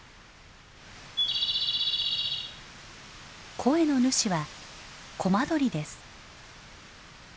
声の主はコマドリです。